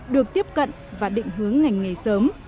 được tiếp cận và định hướng ngành nghề sớm